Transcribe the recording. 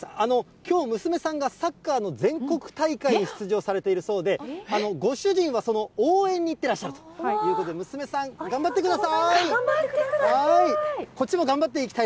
きょう、娘さんがサッカーの全国大会に出場されているそうで、ご主人はその応援に行ってらっしゃるということで、娘さん、頑張ってくださ頑張ってください。